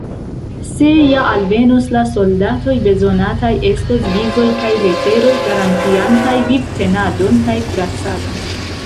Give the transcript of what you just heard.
Se ja alvenos la soldatoj, bezonataj estos vizoj kaj leteroj garantiantaj vivtenadon kaj kuracadon.